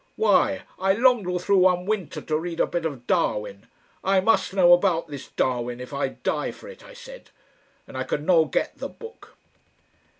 Why! I longed all through one winter to read a bit of Darwin. I must know about this Darwin if I die for it, I said. And I could no' get the book."